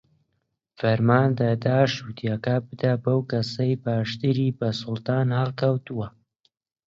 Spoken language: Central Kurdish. فەرمان دەدا شووتییەکە بدەن بەو کەسەی باشتری بە سوڵتان هەڵاکوتووە